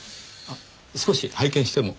少し拝見しても？